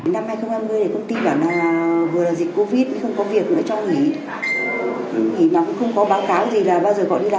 năm hai nghìn hai mươi thì công ty bảo là vừa là dịch covid không có việc nữa cho nghỉ